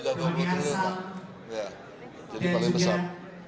jadi paling besar